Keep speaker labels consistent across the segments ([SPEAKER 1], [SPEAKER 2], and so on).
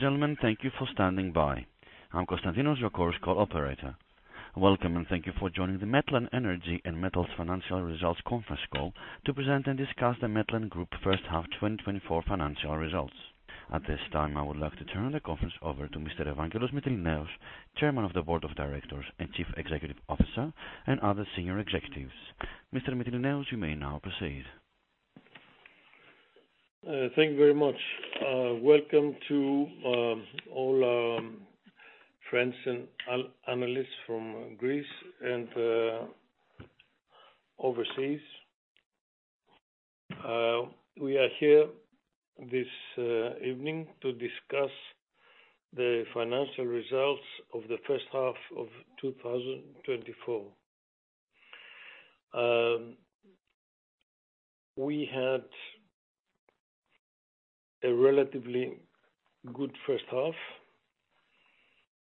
[SPEAKER 1] Ladies and gentlemen, thank you for standing by. I'm Konstantinos, your Chorus Call operator. Welcome, and thank you for joining the Metlen Energy & Metals Financial Results Conference call to present and discuss the Metlen Group first half 2024 financial results. At this time, I would like to turn the conference over to Mr. Evangelos Mytilineos, Chairman of the Board of Directors and Chief Executive Officer, and other senior executives. Mr. Mytilineos, you may now proceed.
[SPEAKER 2] Thank you very much. Welcome to all friends and analysts from Greece and overseas. We are here this evening to discuss the financial results of the first half of 2024. We had a relatively good first half.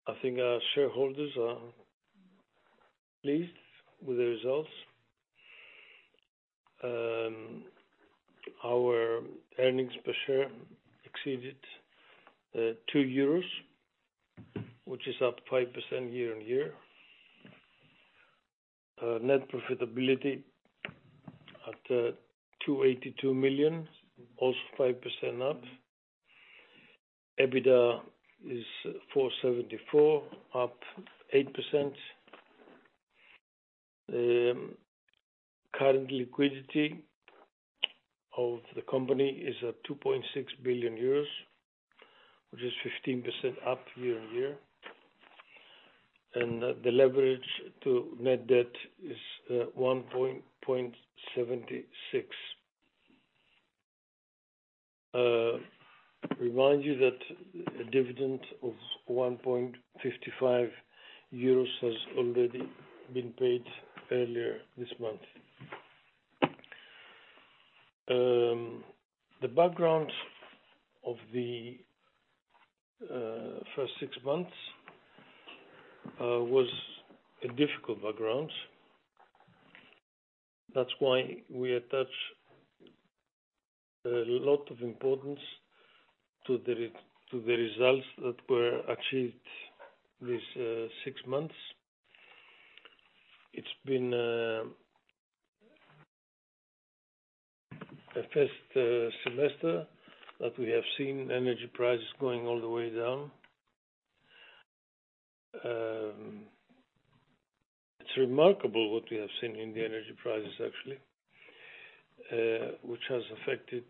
[SPEAKER 2] I think our shareholders are pleased with the results. Our earnings per share exceeded 2 euros, which is up 5% year-over-year. Net profitability at 282 million, also 5% up. EBITDA is 474, up 8%. Current liquidity of the company is 2.6 billion euros, which is 15% up year-over-year. And the leverage to net debt is 1.76. Remind you that a dividend of 1.55 euros has already been paid earlier this month. The background of the first six months was a difficult background. That's why we attach a lot of importance to the results that were achieved these six months. It's been a first semester that we have seen energy prices going all the way down. It's remarkable what we have seen in the energy prices, actually, which has affected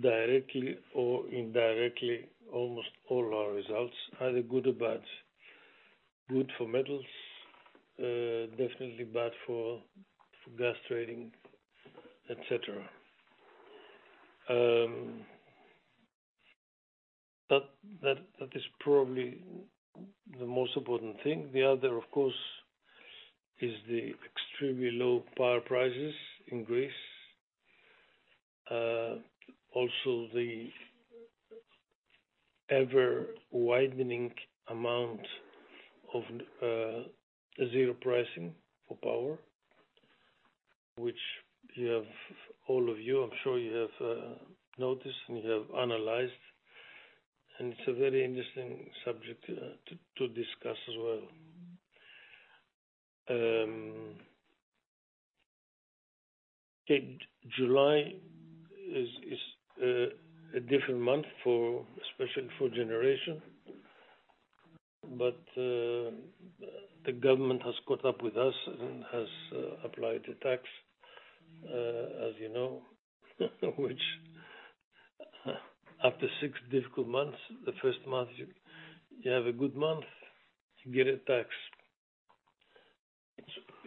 [SPEAKER 2] directly or indirectly almost all our results, either good or bad. Good for metals, definitely bad for gas trading, etc. That is probably the most important thing. The other, of course, is the extremely low power prices in Greece. Also, the ever-widening amount of zero pricing for power, which you have all of you, I'm sure you have noticed and you have analyzed. It's a very interesting subject to discuss as well. July is a different month, especially for generation. But the government has caught up with us and has applied the tax, as you know, which after six difficult months, the first month you have a good month, you get a tax.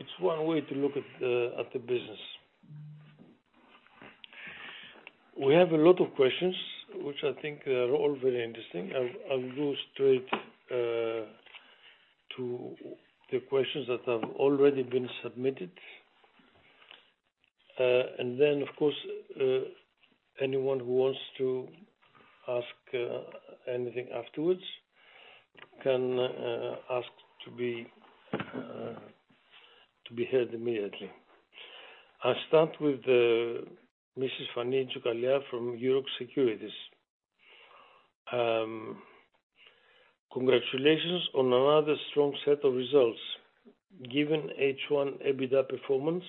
[SPEAKER 2] It's one way to look at the business. We have a lot of questions, which I think are all very interesting. I'll go straight to the questions that have already been submitted. And then, of course, anyone who wants to ask anything afterwards can ask to be heard immediately. I start with Mrs. Fani Gavala from Euroxx Securities. Congratulations on another strong set of results. Given H1 EBITDA performance,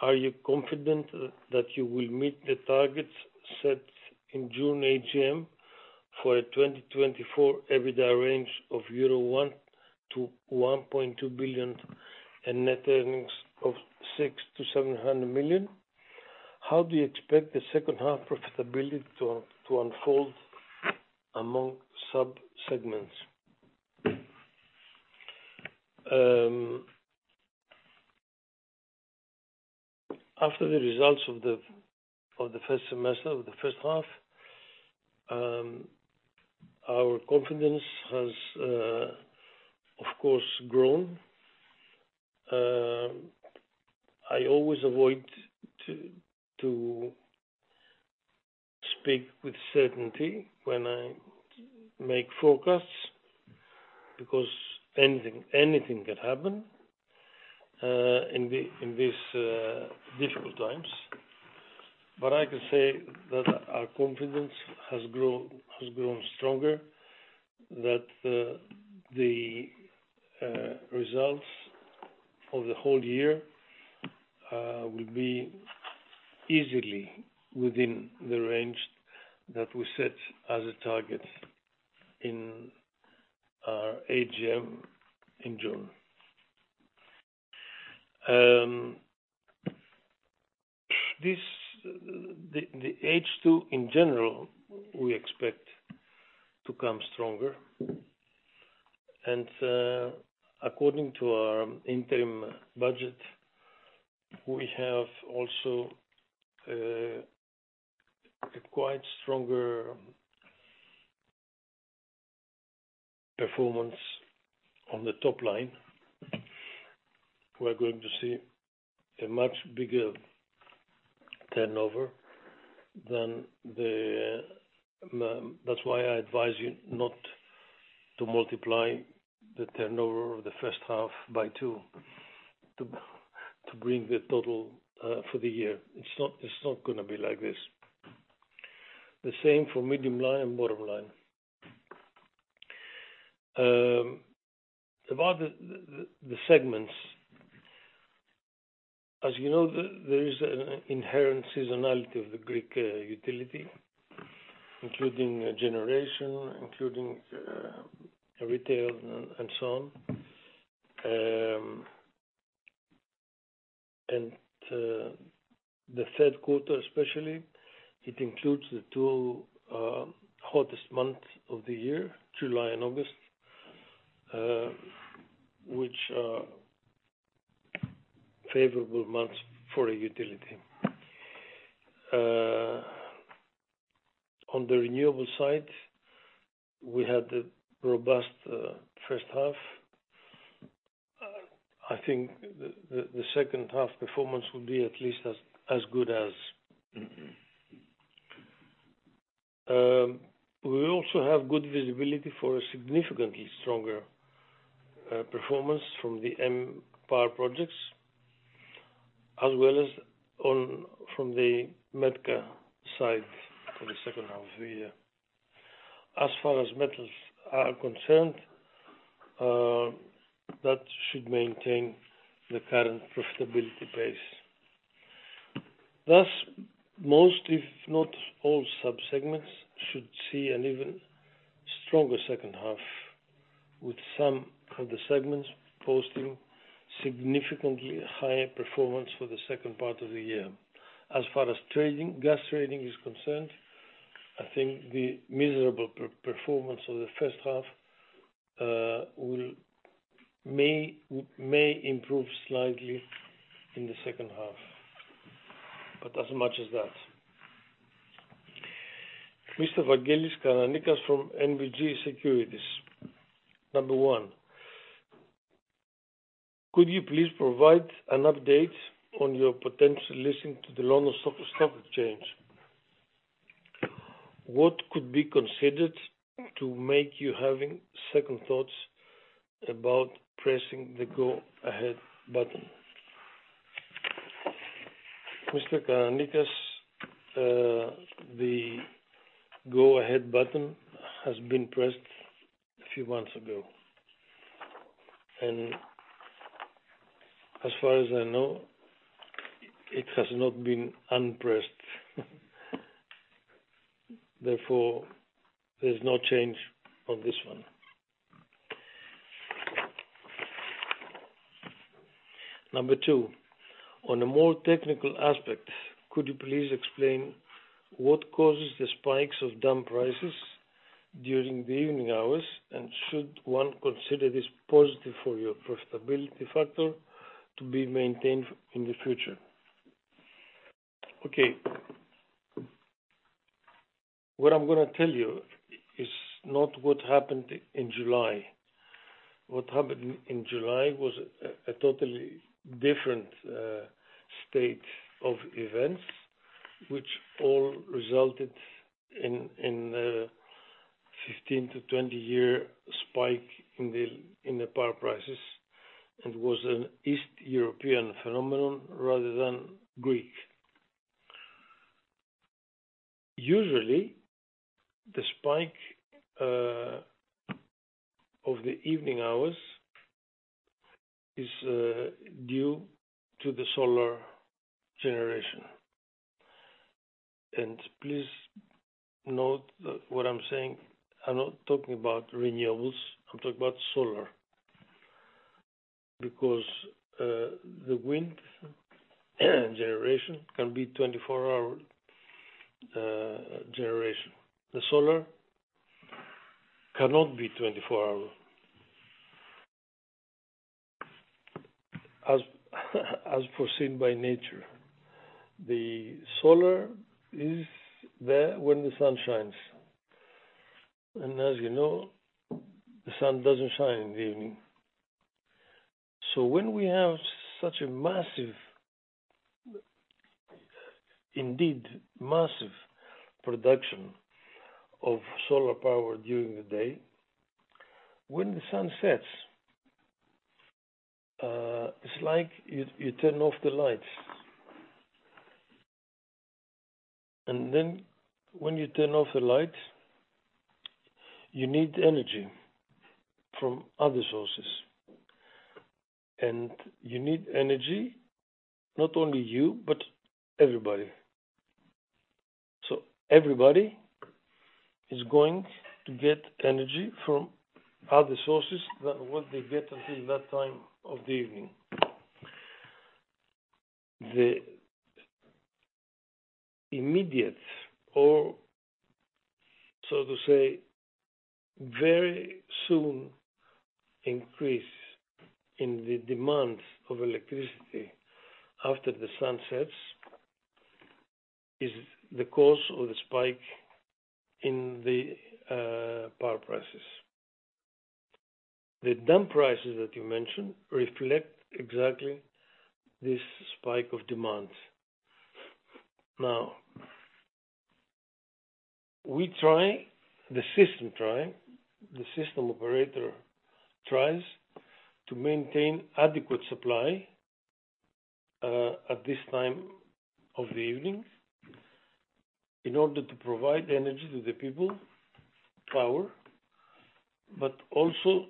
[SPEAKER 2] are you confident that you will meet the targets set in June AGM for a 2024 EBITDA range of 1 billion-1.2 billion euro and net earnings of 600 million-700 million? How do you expect the second half profitability to unfold among subsegments? After the results of the first semester of the first half, our confidence has, of course, grown. I always avoid to speak with certainty when I make forecasts because anything can happen in these difficult times. I can say that our confidence has grown stronger, that the results of the whole year will be easily within the range that we set as a target in our AGM in June. The H2, in general, we expect to come stronger. According to our interim budget, we have also a quite stronger performance on the top line. We're going to see a much bigger turnover than that's why I advise you not to multiply the turnover of the first half by two to bring the total for the year. It's not going to be like this. The same for medium line and bottom line. About the segments, as you know, there is an inherent seasonality of the Greek utility, including generation, including retail, and so on. The third quarter, especially, it includes the two hottest months of the year, July and August, which are favorable months for a utility. On the renewable side, we had a robust first half. I think the second half performance will be at least as good as. We also have good visibility for a significantly stronger performance from the M Power Projects, as well as from the METKA side for the second half of the year. As far as metals are concerned, that should maintain the current profitability base. Thus, most, if not all, subsegments should see an even stronger second half, with some of the segments posting significantly higher performance for the second part of the year. As far as gas trading is concerned, I think the miserable performance of the first half may improve slightly in the second half, but as much as that. Mr. Evangelos Karanikas from NBG Securities. Number one, could you please provide an update on your potential listing to the London Stock Exchange? What could be considered to make you having second thoughts about pressing the go-ahead button? Mr. Karanikas, the go-ahead button has been pressed a few months ago. As far as I know, it has not been unpressed. Therefore, there's no change on this one. Number two, on a more technical aspect, could you please explain what causes the spikes of DAM prices during the evening hours, and should one consider this positive for your profitability factor to be maintained in the future? Okay. What I'm going to tell you is not what happened in July. What happened in July was a totally different state of events, which all resulted in a 15-20-year spike in the power prices and was an East European phenomenon rather than Greek. Usually, the spike of the evening hours is due to the solar generation. And please note that what I'm saying, I'm not talking about renewables. I'm talking about solar because the wind generation can be 24-hour generation. The solar cannot be 24-hour, as foreseen by nature. The solar is there when the sun shines. And as you know, the sun doesn't shine in the evening. So when we have such a massive, indeed massive, production of solar power during the day, when the sun sets, it's like you turn off the lights. And then when you turn off the lights, you need energy from other sources. And you need energy, not only you, but everybody. So everybody is going to get energy from other sources than what they get until that time of the evening. The immediate or, so to say, very soon increase in the demand of electricity after the sun sets is the cause of the spike in the power prices. The DAM prices that you mentioned reflect exactly this spike of demands. Now, we try, the System Operator tries to maintain adequate supply at this time of the evening in order to provide energy to the people, power, but also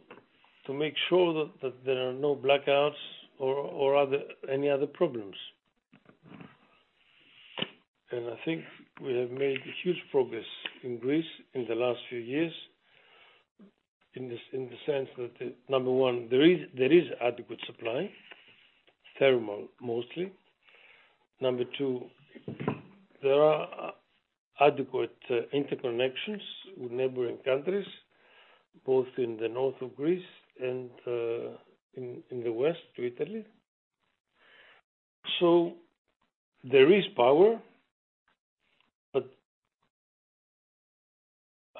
[SPEAKER 2] to make sure that there are no blackouts or any other problems. And I think we have made huge progress in Greece in the last few years in the sense that, number one, there is adequate supply, thermal mostly. Number two, there are adequate interconnections with neighboring countries, both in the north of Greece and in the west of Italy. So there is power, but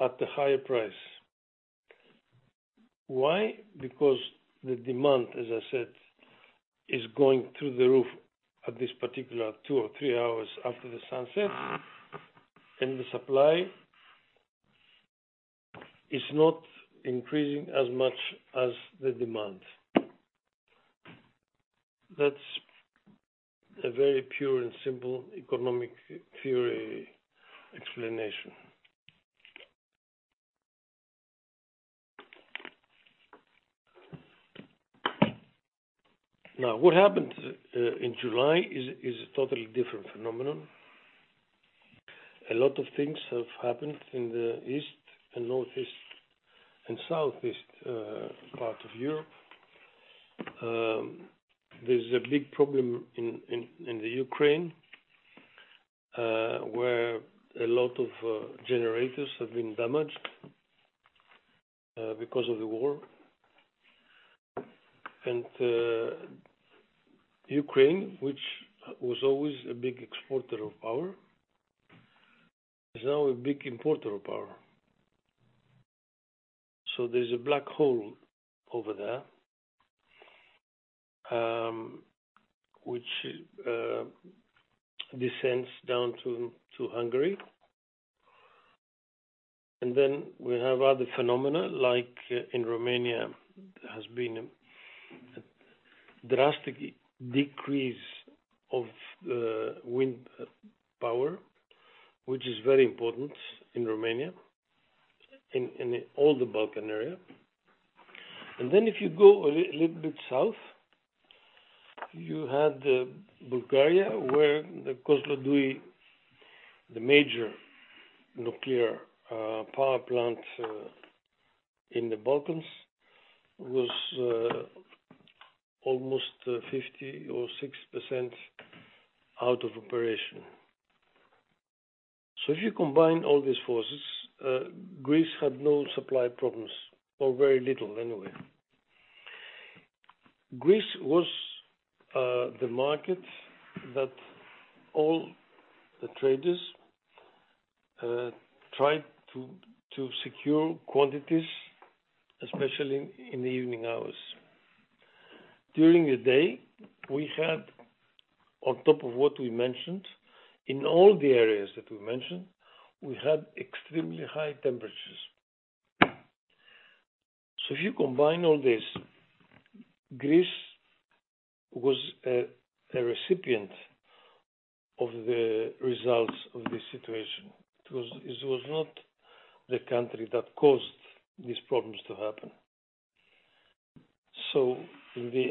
[SPEAKER 2] at a higher price. Why? Because the demand, as I said, is going through the roof at this particular two or three hours after the sunset, and the supply is not increasing as much as the demand. That's a very pure and simple economic theory explanation. Now, what happened in July is a totally different phenomenon. A lot of things have happened in the east and northeast and southeast part of Europe. There's a big problem in the Ukraine where a lot of generators have been damaged because of the war. And Ukraine, which was always a big exporter of power, is now a big importer of power. So there's a black hole over there, which descends down to Hungary. Then we have other phenomena like in Romania, there has been a drastic decrease of wind power, which is very important in Romania and in all the Balkans area. Then if you go a little bit south, you had Bulgaria where the Kozloduy, the major nuclear power plant in the Balkans, was almost 50% or 60% out of operation. If you combine all these forces, Greece had no supply problems or very little anyway. Greece was the market that all the traders tried to secure quantities, especially in the evening hours. During the day, we had, on top of what we mentioned, in all the areas that we mentioned, we had extremely high temperatures. If you combine all this, Greece was a recipient of the results of this situation because it was not the country that caused these problems to happen. So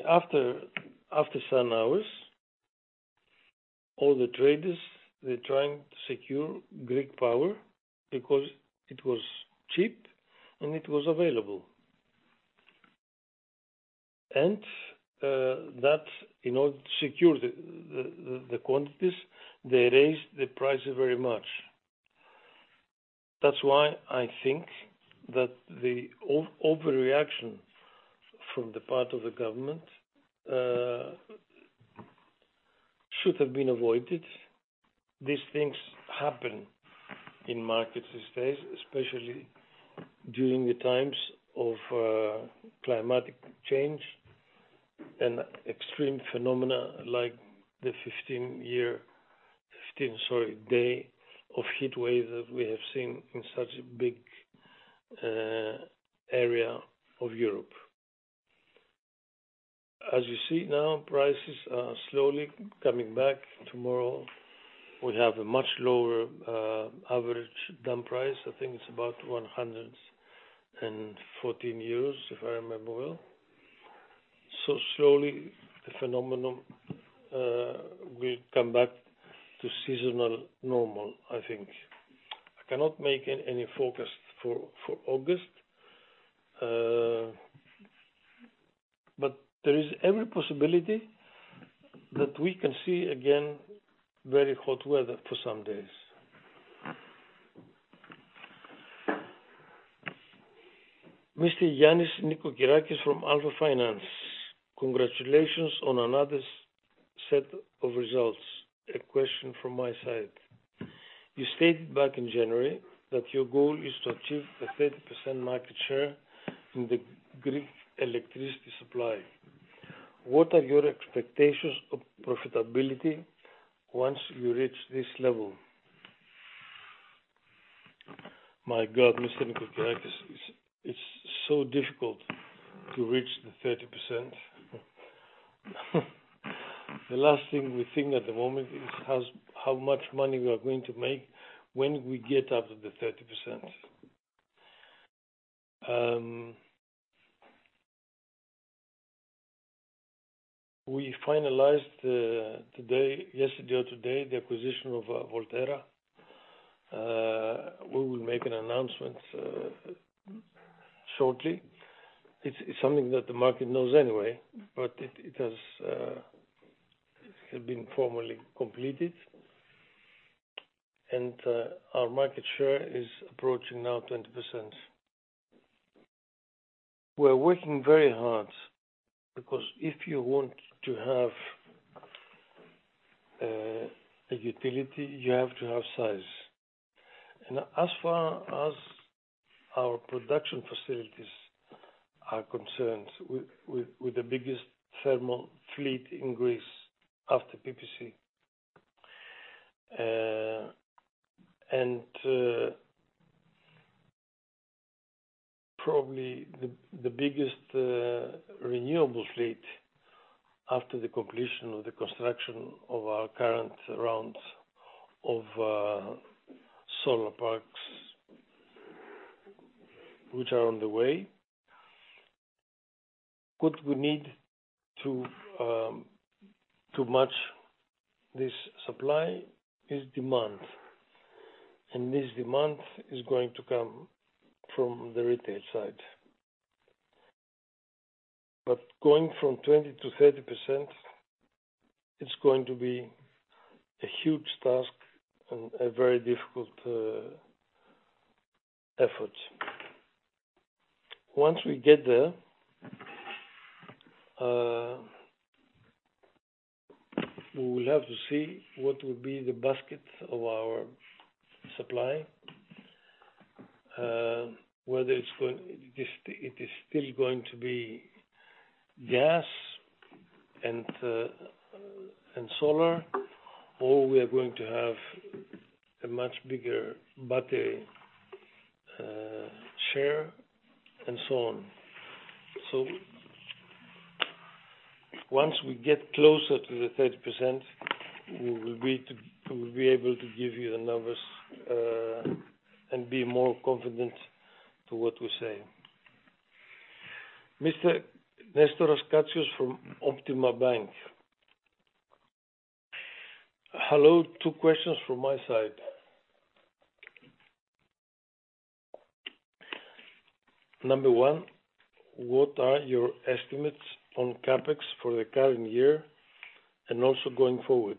[SPEAKER 2] after sun hours, all the traders, they're trying to secure Greek power because it was cheap and it was available. And that, in order to secure the quantities, they raised the prices very much. That's why I think that the overreaction from the part of the government should have been avoided. These things happen in markets these days, especially during the times of climate change and extreme phenomena like the 15-year, sorry, day of heat wave that we have seen in such a big area of Europe. As you see now, prices are slowly coming back. Tomorrow, we have a much lower average day-ahead price. I think it's about 114 euros, if I remember well. So slowly, the phenomenon will come back to seasonal normal, I think. I cannot make any forecast for August, but there is every possibility that we can see again very hot weather for some days. Mr. Yiannis Nikokirakis from Alpha Finance, congratulations on another set of results. A question from my side. You stated back in January that your goal is to achieve a 30% market share in the Greek electricity supply. What are your expectations of profitability once you reach this level? My God, Mr. Nikokirakis, it's so difficult to reach the 30%. The last thing we think at the moment is how much money we are going to make when we get up to the 30%. We finalized yesterday or today the acquisition of Volterra. We will make an announcement shortly. It's something that the market knows anyway, but it has been formally completed. Our market share is approaching now 20%. We're working very hard because if you want to have a utility, you have to have size. As far as our production facilities are concerned, we're the biggest thermal fleet in Greece after PPC. Probably the biggest renewable fleet after the completion of the construction of our current rounds of solar parks, which are on the way. What we need to match this supply is demand. This demand is going to come from the retail side. But going from 20%-30%, it's going to be a huge task and a very difficult effort. Once we get there, we will have to see what will be the basket of our supply, whether it is still going to be gas and solar, or we are going to have a much bigger battery share and so on. So once we get closer to the 30%, we will be able to give you the numbers and be more confident to what we say. Mr. Nestoras Katsios from Optima Bank. Hello. Two questions from my side. Number one, what are your estimates on CAPEX for the current year and also going forward?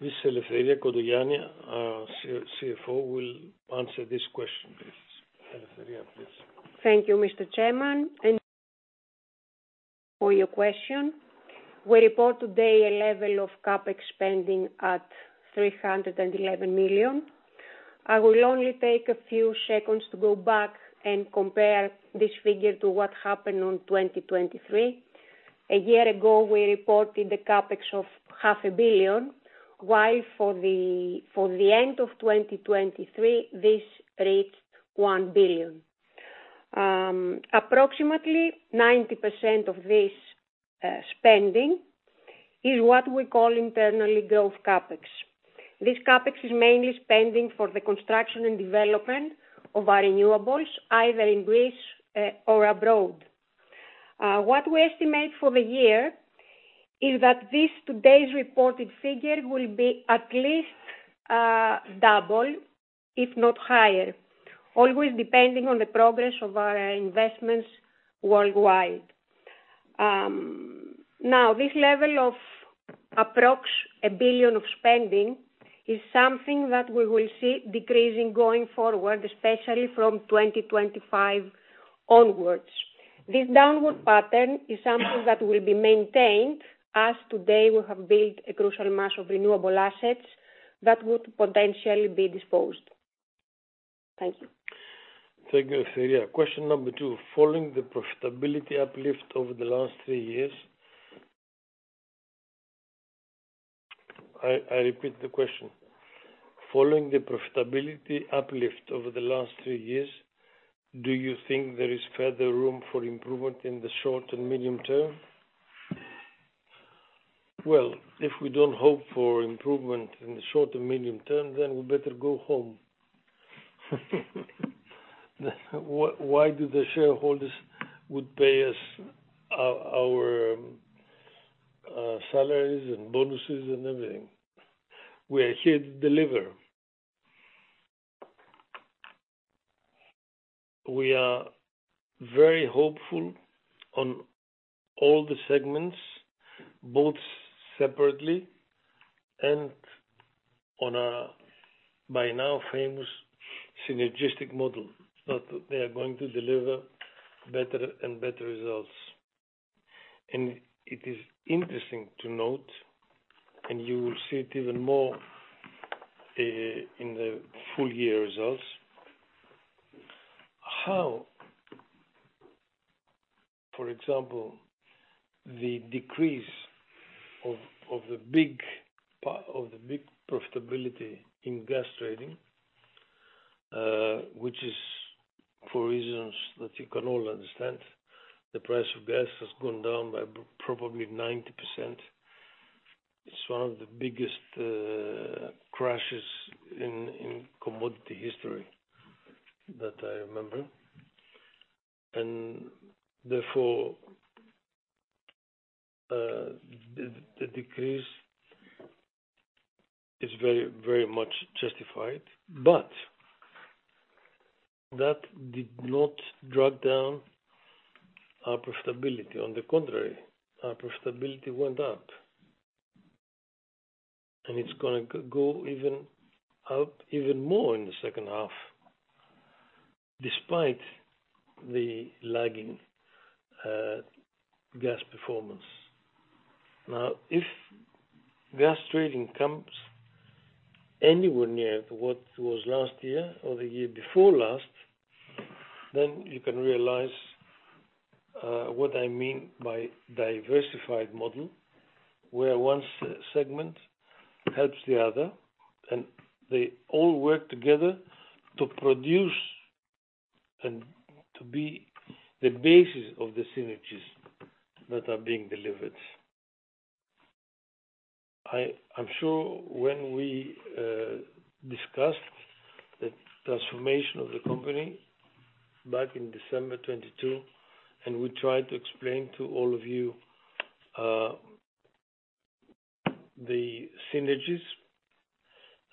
[SPEAKER 2] Ms. Eleftheria Kontogianni, CFO, will answer this question. Please, Eleftheria, please.
[SPEAKER 3] Thank you, Mr. Chairman. And for your question, we report today a level of CAPEX spending at 311 million. I will only take a few seconds to go back and compare this figure to what happened in 2023. A year ago, we reported the CAPEX of 500 million, while for the end of 2023, this reached 1 billion. Approximately 90% of this spending is what we call internally growth CAPEX. This CAPEX is mainly spending for the construction and development of our renewables, either in Greece or abroad. What we estimate for the year is that today's reported figure will be at least double, if not higher, always depending on the progress of our investments worldwide. Now, this level of approximately 1 billion of spending is something that we will see decreasing going forward, especially from 2025 onwards. This downward pattern is something that will be maintained as today we have built a crucial mass of renewable assets that would potentially be disposed. Thank you.
[SPEAKER 2] Thank you, Eleftheria. Question number two. Following the profitability uplift over the last three years. I repeat the question. Following the profitability uplift over the last three years, do you think there is further room for improvement in the short and medium term? Well, if we don't hope for improvement in the short and medium term, then we better go home. Why do the shareholders pay us our salaries and bonuses and everything? We are here to deliver. We are very hopeful on all the segments, both separately and on our by now famous synergistic model. They are going to deliver better and better results. And it is interesting to note, and you will see it even more in the full year results, how, for example, the decrease of the big profitability in gas trading, which is for reasons that you can all understand, the price of gas has gone down by probably 90%. It's one of the biggest crashes in commodity history that I remember. And therefore, the decrease is very much justified. But that did not drag down our profitability. On the contrary, our profitability went up. And it's going to go even up even more in the second half, despite the lagging gas performance. Now, if gas trading comes anywhere near to what was last year or the year before last, then you can realize what I mean by diversified model, where one segment helps the other, and they all work together to produce and to be the basis of the synergies that are being delivered. I'm sure when we discussed the transformation of the company back in December 2022, and we tried to explain to all of you the synergies,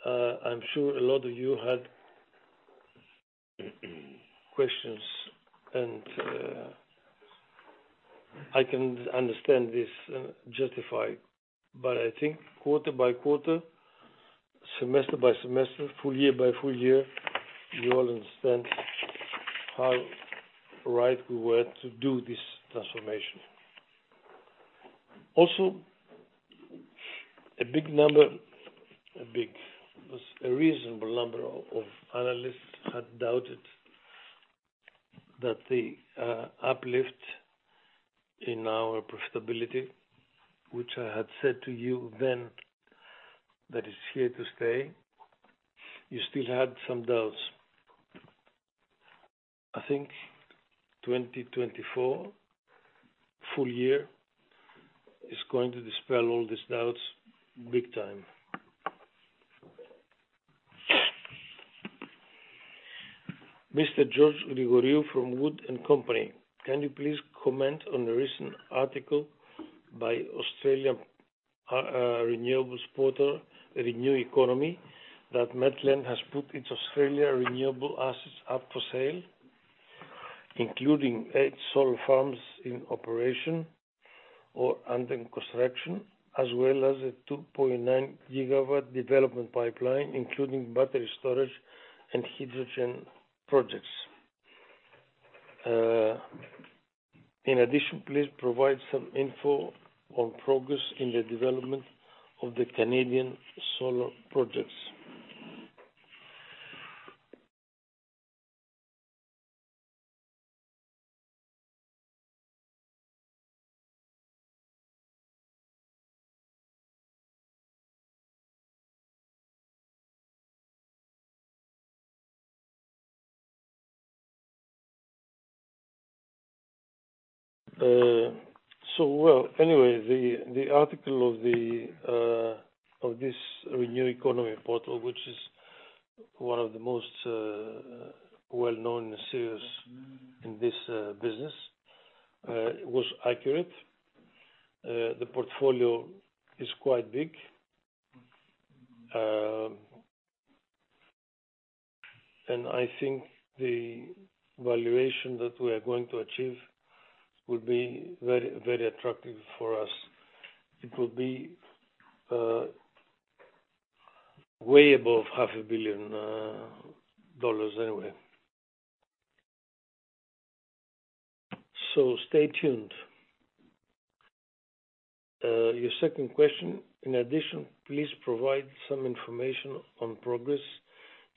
[SPEAKER 2] I'm sure a lot of you had questions. And I can understand this and justify. But I think quarter by quarter, semester by semester, full year by full year, you all understand how right we were to do this transformation. Also, a big number, a reasonable number of analysts had doubted that the uplift in our profitability, which I had said to you then that is here to stay, you still had some doubts. I think 2024 full year is going to dispel all these doubts big time. Mr. Georgios Grigoriou from Wood & Company, can you please comment on the recent article by Australian RenewEconomy portal, RenewEconomy, that Metlen has put its Australian renewable assets up for sale, including eight solar farms in operation or under construction, as well as a 2.9-GW development pipeline, including battery storage and hydrogen projects? In addition, please provide some info on progress in the development of the Canadian solar projects. So well, anyway, the article of this RenewEconomy portal, which is one of the most well-known CEOs in this business, was accurate. The portfolio is quite big. I think the valuation that we are going to achieve will be very, very attractive for us. It will be way above $500 million anyway. So stay tuned. Your second question, in addition, please provide some information on progress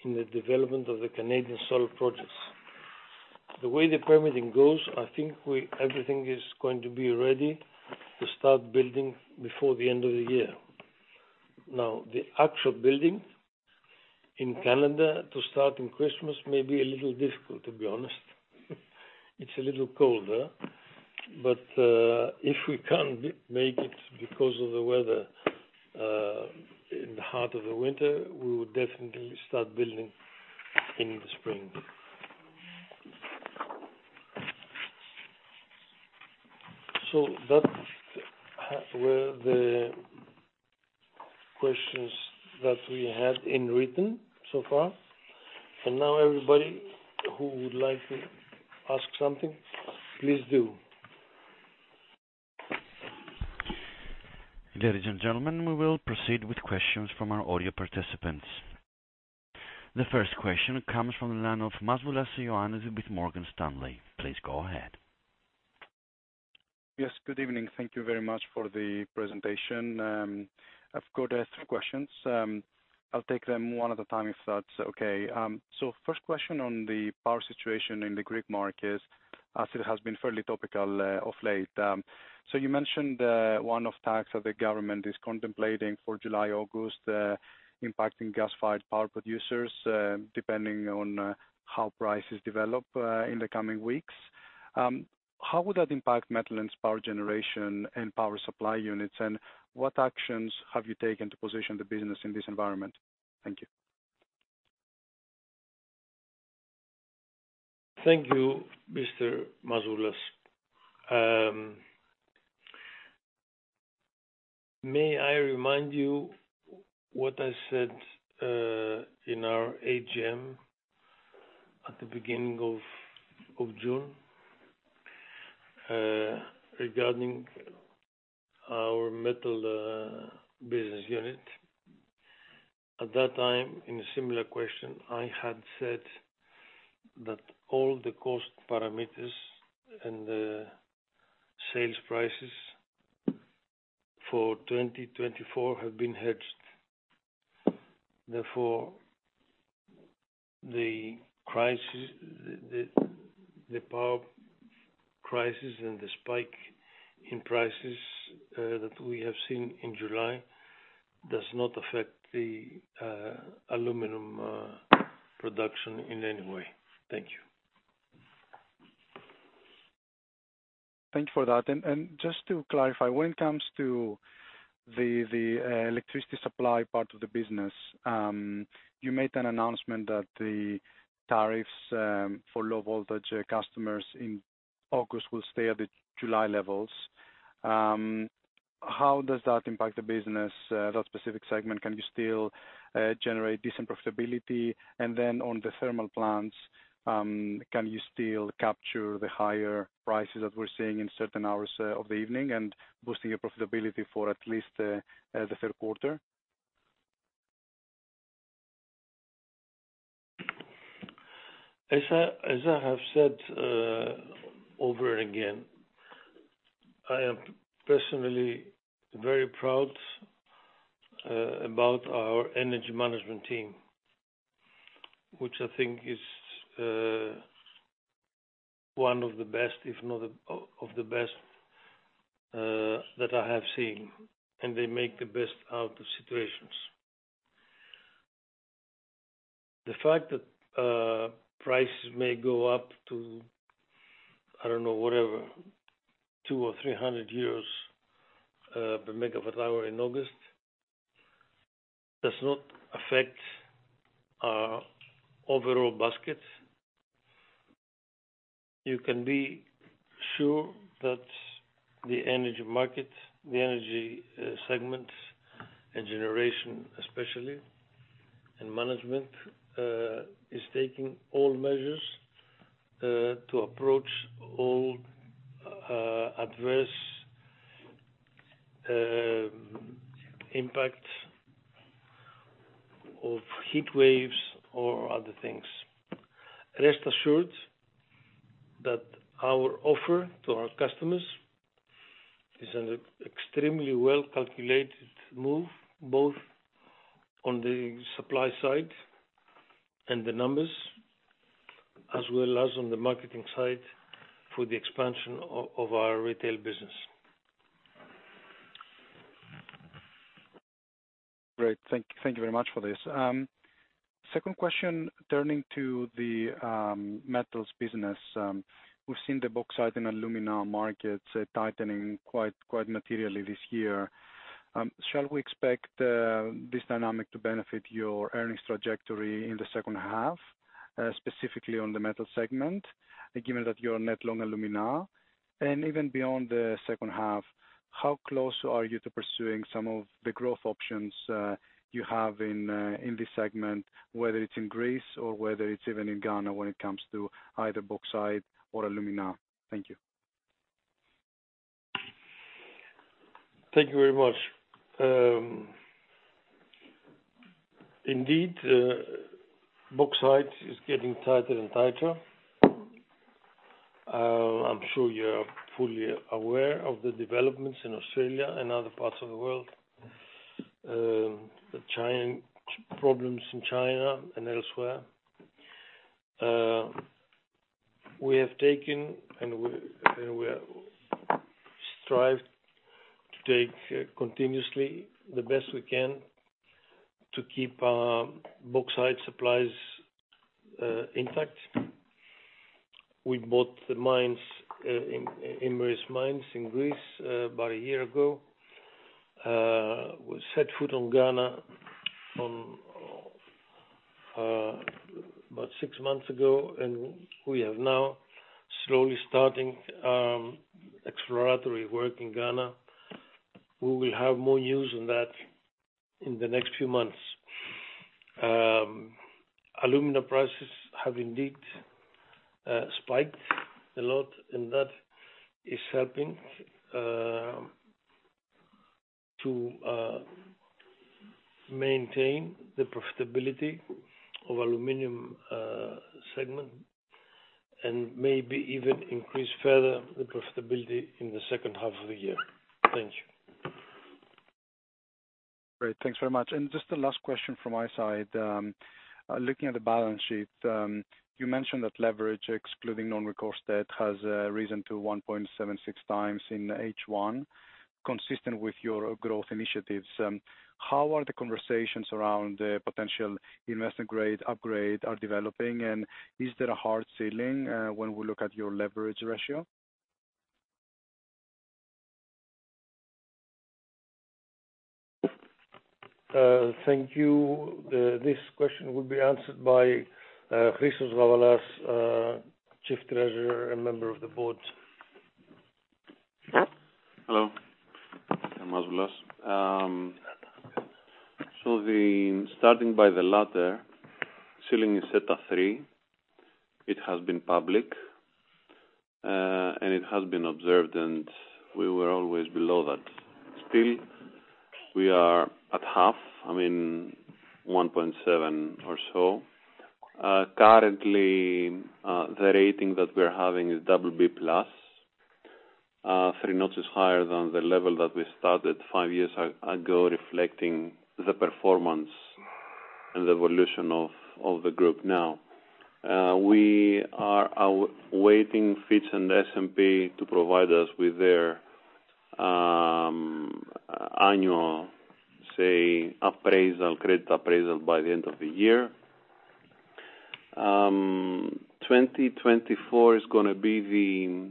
[SPEAKER 2] in the development of the Canadian solar projects. The way the permitting goes, I think everything is going to be ready to start building before the end of the year. Now, the actual building in Canada to start in Christmas may be a little difficult, to be honest. It's a little colder. But if we can't make it because of the weather in the heart of the winter, we will definitely start building in the spring. So that were the questions that we had in written so far. And now, everybody who would like to ask something, please do.
[SPEAKER 1] Ladies and gentlemen, we will proceed with questions from our audio participants. The first question comes from the line of Ioannis Masvoulas with Morgan Stanley. Please go ahead.
[SPEAKER 4] Yes, good evening. Thank you very much for the presentation. I've got three questions. I'll take them one at a time if that's okay. So first question on the power situation in the Greek market, as it has been fairly topical of late. So you mentioned one of the taxes that the government is contemplating for July, August, impacting gas-fired power producers depending on how prices develop in the coming weeks. How would that impact Metlen's power generation and power supply units? And what actions have you taken to position the business in this environment? Thank you.
[SPEAKER 2] Thank you, Mr. Masvoulas. May I remind you what I said in our AGM at the beginning of June regarding our metal business unit? At that time, in a similar question, I had said that all the cost parameters and the sales prices for 2024 have been hedged. Therefore, the power crisis and the spike in prices that we have seen in July does not affect the aluminum production in any way. Thank you.
[SPEAKER 4] Thank you for that. And just to clarify, when it comes to the electricity supply part of the business, you made an announcement that the tariffs for low-voltage customers in August will stay at the July levels. How does that impact the business, that specific segment? Can you still generate decent profitability? And then on the thermal plants, can you still capture the higher prices that we're seeing in certain hours of the evening and boosting your profitability for at least the third quarter?
[SPEAKER 2] As I have said over and again, I am personally very proud about our energy management team, which I think is one of the best, if not the best, that I have seen. They make the best out of situations. The fact that prices may go up to, I don't know, whatever, 2 or 300 MWh in August does not affect our overall basket. You can be sure that the energy market, the energy segment, and generation especially, and management is taking all measures to approach all adverse impacts of heat waves or other things. Rest assured that our offer to our customers is an extremely well-calculated move, both on the supply side and the numbers, as well as on the marketing side for the expansion of our retail business.
[SPEAKER 4] Great. Thank you very much for this. Second question, turning to the metals business. We've seen the bauxite and alumina markets tightening quite materially this year. Shall we expect this dynamic to benefit your earnings trajectory in the second half, specifically on the metal segment, given that you're net long alumina? And even beyond the second half, how close are you to pursuing some of the growth options you have in this segment, whether it's in Greece or whether it's even in Ghana when it comes to either bauxite or alumina? Thank you.
[SPEAKER 2] Thank you very much. Indeed, bauxite is getting tighter and tighter. I'm sure you're fully aware of the developments in Australia and other parts of the world, the challenge problems in China and elsewhere. We have taken and we strive to take continuously the best we can to keep bauxite supplies intact. We bought the mines, Imerys in Greece, about a year ago. We set foot on Ghana about six months ago, and we are now slowly starting exploratory work in Ghana. We will have more news on that in the next few months. Alumina prices have indeed spiked a lot, and that is helping to maintain the profitability of the aluminum segment and maybe even increase further the profitability in the second half of the year. Thank you.
[SPEAKER 4] Great. Thanks very much. And just the last question from my side. Looking at the balance sheet, you mentioned that leverage, excluding non-recourse debt, has risen to 1.76x in H1, consistent with your growth initiatives. How are the conversations around the potential investment grade upgrade developing? And is there a hard ceiling when we look at your leverage ratio? Thank you.
[SPEAKER 2] This question will be answered by Christos Gavalas, Chief Treasurer and Member of the Board.
[SPEAKER 5] Hello. I'm Masvoulas. Starting by the latter, ceiling is set at 3. It has been public, and it has been observed, and we were always below that. Still, we are at half, I mean, 1.7 or so. Currently, the rating that we're having is BB plus, three notches higher than the level that we started five years ago, reflecting the performance and the evolution of the group now. We are awaiting Fitch and S&P to provide us with their annual, say, appraisal, credit appraisal by the end of the year. 2024 is going to be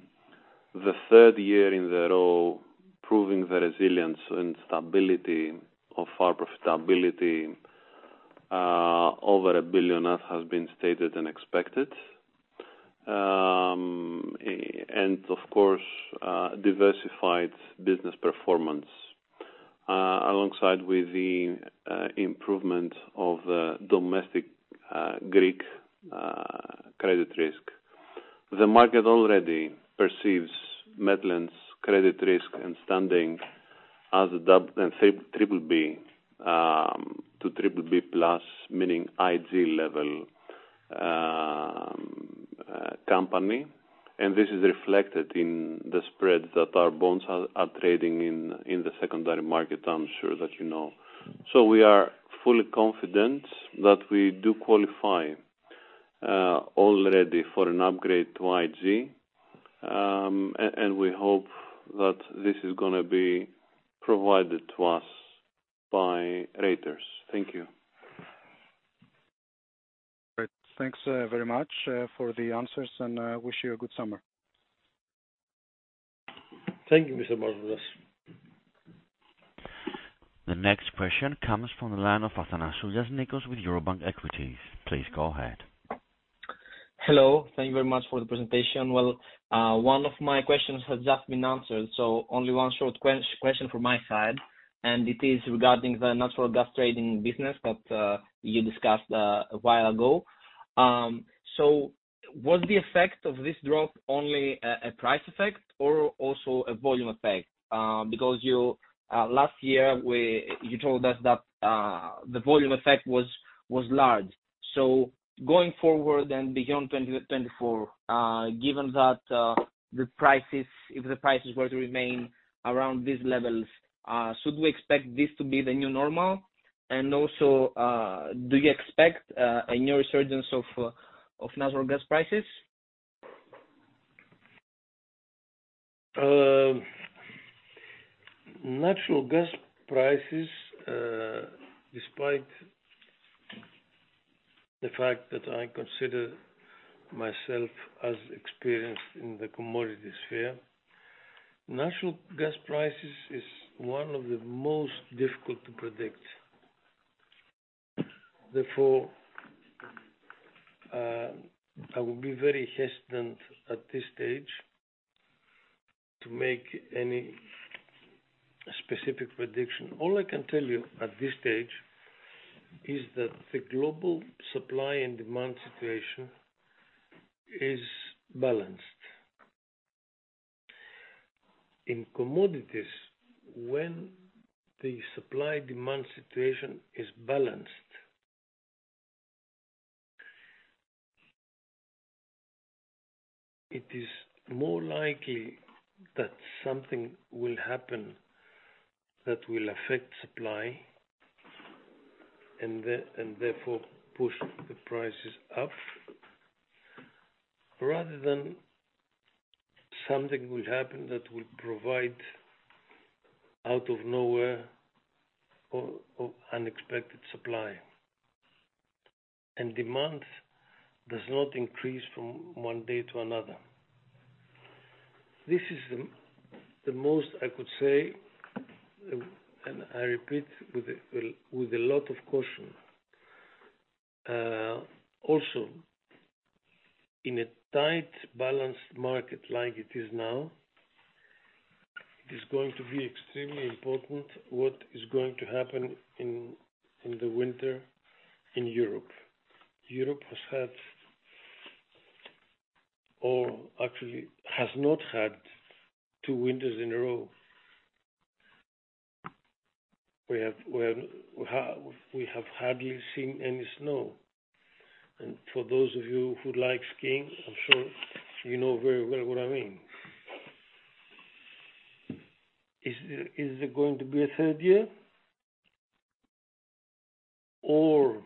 [SPEAKER 5] the third year in a row proving the resilience and stability of our profitability over 1 billion that has been stated and expected. And of course, diversified business performance alongside with the improvement of the domestic Greek credit risk. The market already perceives Metlen's credit risk and standing as a BBB to BBB plus, meaning IG level company. This is reflected in the spreads that our bonds are trading in the secondary market, I'm sure that you know. We are fully confident that we do qualify already for an upgrade to IG, and we hope that this is going to be provided to us by raters. Thank you.
[SPEAKER 4] Great. Thanks very much for the answers, and I wish you a good summer.
[SPEAKER 2] Thank you, Mr. Masvoulas.
[SPEAKER 1] The next question comes from the line of Nikos Athanasoulias with Eurobank Equities. Please go ahead.
[SPEAKER 6] Hello. Thank you very much for the presentation. Well, one of my questions has just been answered, so only one short question from my side. It is regarding the natural gas trading business that you discussed a while ago. So was the effect of this drop only a price effect or also a volume effect? Because last year, you told us that the volume effect was large. So going forward and beyond 2024, given that if the prices were to remain around these levels, should we expect this to be the new normal? And also, do you expect a new resurgence of natural gas prices?
[SPEAKER 2] Natural gas prices, despite the fact that I consider myself as experienced in the commodity sphere, natural gas prices is one of the most difficult to predict. Therefore, I will be very hesitant at this stage to make any specific prediction. All I can tell you at this stage is that the global supply and demand situation is balanced. In commodities, when the supply-demand situation is balanced, it is more likely that something will happen that will affect supply and therefore push the prices up, rather than something will happen that will provide out of nowhere or unexpected supply. And demand does not increase from one day to another. This is the most I could say, and I repeat with a lot of caution. Also, in a tight, balanced market like it is now, it is going to be extremely important what is going to happen in the winter in Europe. Europe has had, or actually has not had, two winters in a row. We have hardly seen any snow. And for those of you who like skiing, I'm sure you know very well what I mean. Is there going to be a third year, or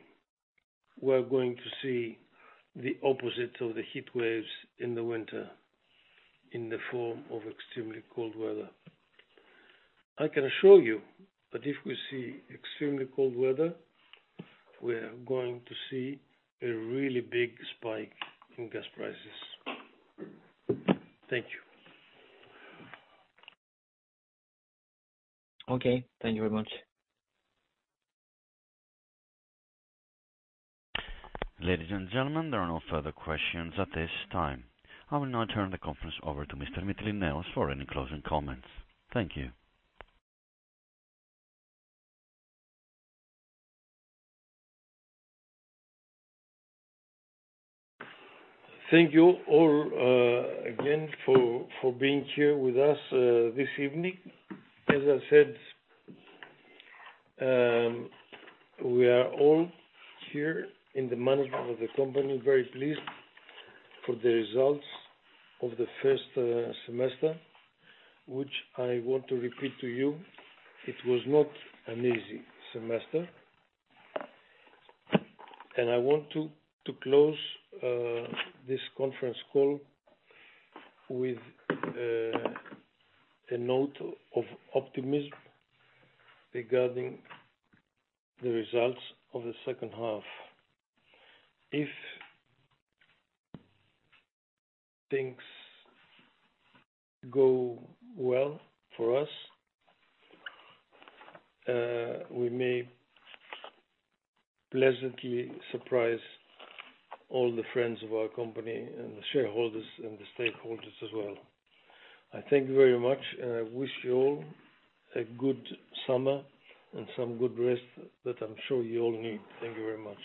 [SPEAKER 2] we're going to see the opposite of the heat waves in the winter in the form of extremely cold weather? I can assure you that if we see extremely cold weather, we're going to see a really big spike in gas prices. Thank you.
[SPEAKER 6] Okay. Thank you very much.
[SPEAKER 1] Ladies and gentlemen, there are no further questions at this time. I will now turn the conference over to Mr. Mytilineos for any closing comments. Thank you.
[SPEAKER 2] Thank you all again for being here with us this evening. As I said, we are all here in the management of the company very pleased for the results of the first semester, which I want to repeat to you. It was not an easy semester. I want to close this conference call with a note of optimism regarding the results of the second half. If things go well for us, we may pleasantly surprise all the friends of our company and the shareholders and the stakeholders as well. I thank you very much, and I wish you all a good summer and some good rest that I'm sure you all need. Thank you very much.